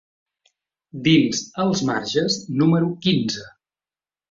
Dins Els Marges número quinze.